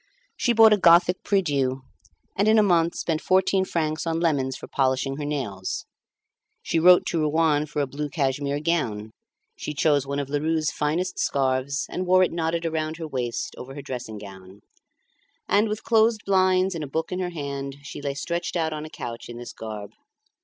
She bought a Gothic prie dieu, and in a month spent fourteen francs on lemons for polishing her nails; she wrote to Rouen for a blue cashmere gown; she chose one of Lheureux's finest scarves, and wore it knotted around her waist over her dressing gown; and, with closed blinds and a book in her hand, she lay stretched out on a couch in this garb.